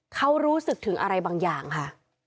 เขารู้สึกถึงอะไรบางอย่างค่ะ